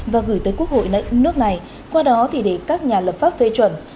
và gửi tới quốc hội nước này qua đó thì để các nhà lập pháp phê chuẩn